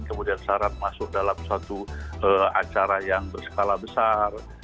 kemudian syarat masuk dalam suatu acara yang berskala besar